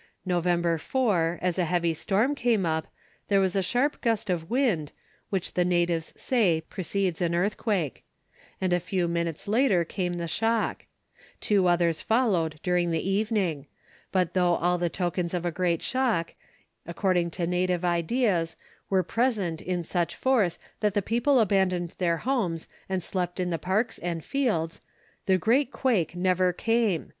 November 4, as a heavy storm came up, there was a sharp gust of wind, which the natives say always precedes an earthquake; and a few minutes later came the shock; two others followed during the evening; but though all the tokens of a great shock, according to native ideas, were present in such force that the people abandoned their homes and slept in the parks and fields, the great quake never came.